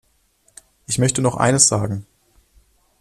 Ich möchte noch eines sagen.